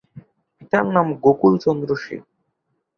পিতার নাম গোকুল চন্দ্র সেন।